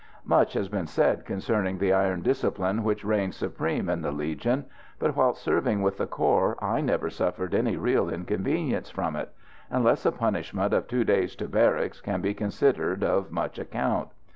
Much has been said concerning the iron discipline which reigns supreme in the Legion, but whilst serving with the corps I never suffered any real inconvenience from it: unless a punishment of "two days to barracks" can be considered of much account.